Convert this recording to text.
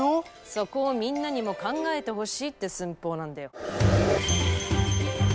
そこをみんなにも考えてほしいって寸法なんだよ！